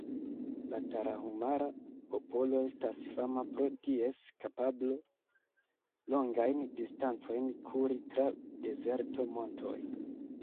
La Tarahumara-popolo estas fama pro ties kapablo, longajn distancojn kuri tra dezerto, montoj.